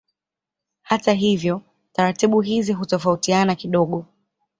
Hata hivyo taratibu hizi hutofautiana kidogo.